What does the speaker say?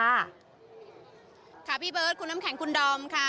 ค่ะพี่เบิร์ดคุณน้ำแข็งคุณดอมค่ะ